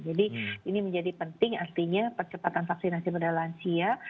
jadi ini menjadi penting artinya percepatan vaksinasi pada lansia